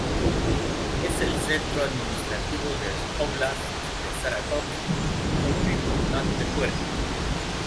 Es el centro administrativo del óblast de Sarátov, con un importante puerto.